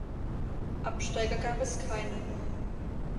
Absteiger gab es keinen.